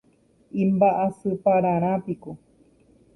imba'asypararãpiko